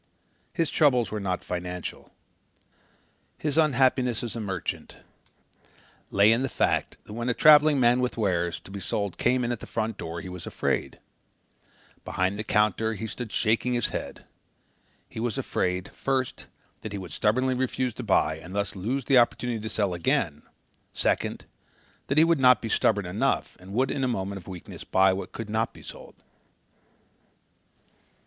His troubles were not financial. His unhappiness as a merchant lay in the fact that when a traveling man with wares to be sold came in at the front door he was afraid. Behind the counter he stood shaking his head. He was afraid, first that he would stubbornly refuse to buy and thus lose the opportunity to sell again; second that he would not be stubborn enough and would in a moment of weakness buy what could not be sold.